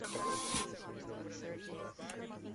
Su emplazamiento actual es provisional.